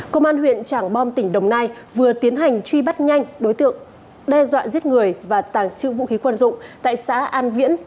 công an huyện trảng bom tỉnh đồng nai vừa tiến hành truy bắt nhanh đối tượng đe dọa giết người và tàng trữ vũ khí quân dụng tại xã an viễn